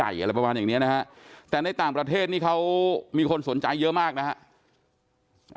อะไรประมาณอย่างเนี้ยนะฮะแต่ในต่างประเทศนี่เขามีคนสนใจเยอะมากนะฮะ